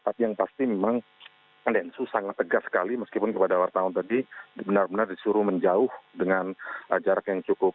tapi yang pasti memang densu sangat tegas sekali meskipun kepada wartawan tadi benar benar disuruh menjauh dengan jarak yang cukup